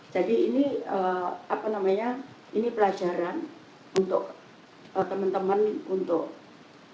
jadi ini pelajaran untuk teman teman yang sudah di banses